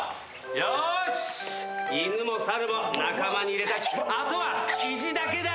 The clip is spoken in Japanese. よし犬も猿も仲間に入れたしあとはキジだけだ。